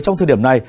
trong thời điểm này